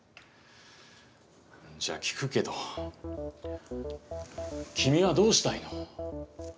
じゃあ聞くけど君はどうしたいの？